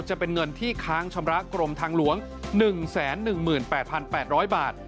จะเป็นเงินที่ค้างชำระกรมทางหลวง๑๑๘๘๐๐บาท